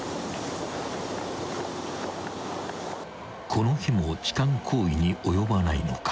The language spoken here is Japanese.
［この日も痴漢行為に及ばないのか］